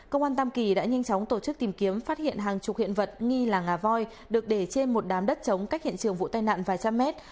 công an tam kỳ đã nhanh chóng tổ chức tìm kiếm phát hiện hàng chục hiện vật nghi là ngà voi được để trên một đám đất chống cách hiện trường vụ tai nạn vài trăm mét